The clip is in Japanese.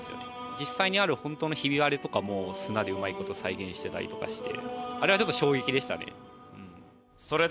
実際にある本当のヒビ割れとかも砂でうまい事再現してたりとかして。